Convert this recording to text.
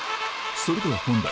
それでは本題